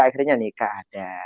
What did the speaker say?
akhirnya nikah ada